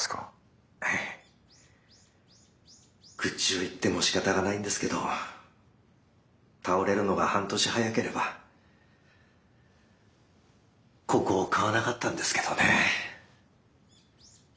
愚痴を言ってもしかたがないんですけど倒れるのが半年早ければここを買わなかったんですけどね。